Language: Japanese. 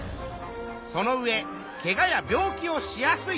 その上ケガや病気をしやすい。